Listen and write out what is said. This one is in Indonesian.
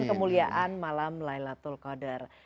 kemuliaan malam laylatul qadar